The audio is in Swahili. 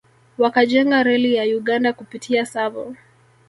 Wakajenga reli ya Uganda kupitia Tsavo